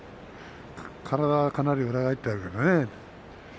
体はかなり裏返っているね。